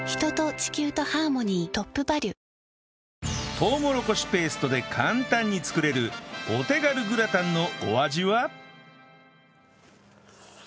とうもろこしペーストで簡単に作れるお手軽グラタンのお味は？